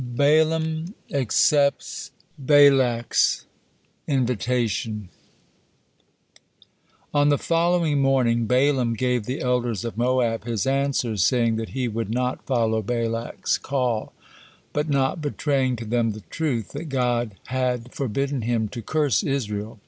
BALAAM ACCEPTS BALAK'S INVITATION On the following morning Balaam gave the elders of Moab his answer, saying that he would not follow Balak's call, but not betraying to them the truth, that God hat forbidden him to curse Israel.